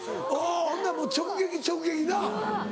ほんならもう直撃直撃なっ。